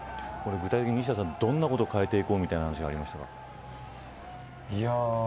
具体的にどんなことを変えていこうという話がありましたか。